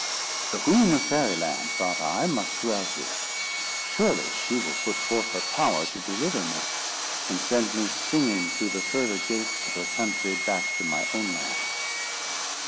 The Queen of Fairy Land, thought I, must dwell here: surely she will put forth her power to deliver me, and send me singing through the further gates of her country back to my own land.